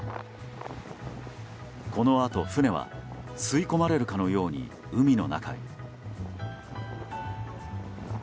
このあと、船は吸い込まれるかのように海の中へ。